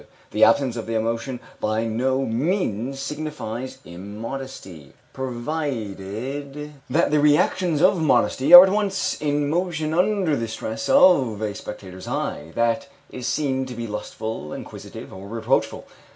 The absence of the emotion by no means signifies immodesty, provided that the reactions of modesty are at once set in motion under the stress of a spectator's eye that is seen to be lustful, inquisitive, or reproachful.